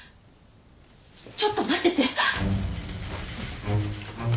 ちょっと待ってて。